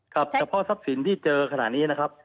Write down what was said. ครับเฉพาะทรัพย์สินที่เจอขนาดนี้นะครับ